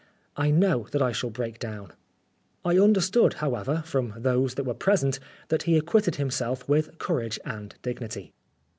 " I know that I shall break down." I understood, however, from those that were present, that he acquitted himself with courage and dignity.